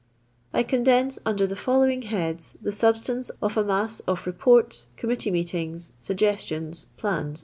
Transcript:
I condense under the following heads the sub stance of a mass of Beports, Committee Meetings, Suggestions, Flans, &c.